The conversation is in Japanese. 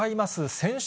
選手